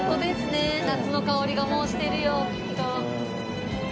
夏の薫りがもうしてるよきっと。